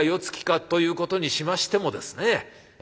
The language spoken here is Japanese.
つきかということにしましてもですね